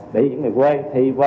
để di chuyển về quê